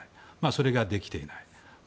それができていない。